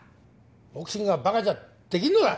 ボクシングは馬鹿じゃできんのだ！